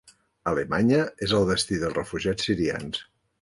Alemanya és el destí dels refugiats sirians